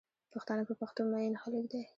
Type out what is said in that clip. پښتانه په پښتو مئین خلک دی